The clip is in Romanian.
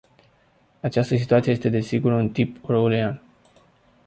Această situație este, desigur, de tip orwellian.